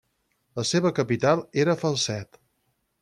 La seva capital era Falset.